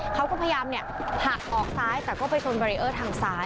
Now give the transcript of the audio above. เพื่อกับพยายามหักออกซ้ายต่อเท่าก็ไปส้าย